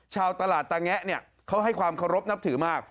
ชาวตลาดตะแงะเนี่ยเขาให้ความเคารพนับถือมาก